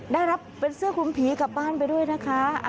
ได้รับเป็นเสื้อคลุมผีกลับบ้านไปด้วยนะคะ